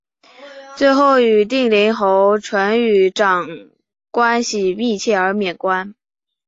最后与定陵侯淳于长关系亲密而免官。